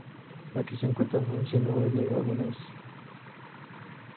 Aquí se encuentran un sinnúmero de lagunas.